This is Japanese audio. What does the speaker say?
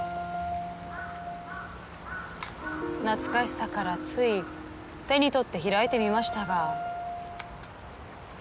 懐かしさからつい手に取って開いてみましたが。